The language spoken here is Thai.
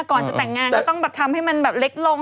ก่อนจะแต่งงานก็ต้องแบบทำให้มันแบบเล็กลง